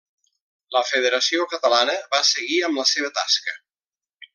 La Federació Catalana va seguir amb la seva tasca.